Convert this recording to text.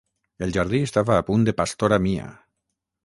El jardí estava a punt de pastora mia.